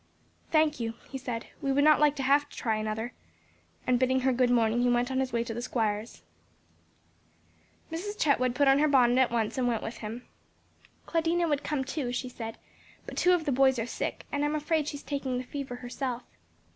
"Thank you," he said, "we would not like to have to try another," and bidding her good morning, he went on his way to the Squire's. Mrs. Chetwood put on her bonnet at once and went with him. "Claudina would come too," she said, "but two of the boys are sick, and I'm afraid she is taking the fever herself."